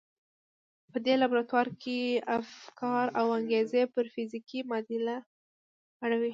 په دې لابراتوار کې افکار او انګېرنې پر فزيکي معادل اوړي.